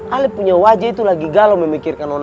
ali punya wajah itu lagi galau memikirkan onanya